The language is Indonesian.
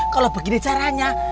kalo begini caranya